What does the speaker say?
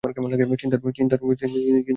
চিন্তার কিছু নেই।